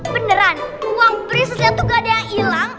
beneran uang prinsipnya tuh gak ada yang hilang